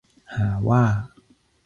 หาว่า